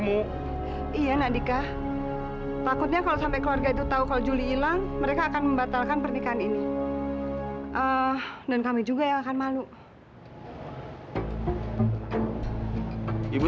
gue akan kasih uang yang lo minta tapi lo jangan kurang ajar sama gue